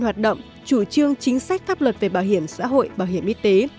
hoạt động chủ trương chính sách pháp luật về bảo hiểm xã hội bảo hiểm y tế